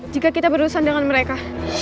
jika kita berurusan dengan mereka